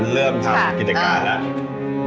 เริ่มทำกิจการ